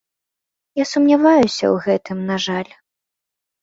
Я сумняваюся ў гэтым, на жаль.